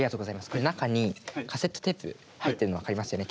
これ中にカセットテープ入ってるの分かりますよね。